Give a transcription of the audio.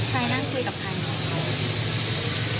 ใครนั่งคุยกับใคร